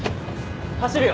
走るよ。